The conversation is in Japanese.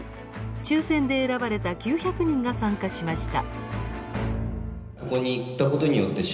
抽せんで選ばれた９００人が参加しました。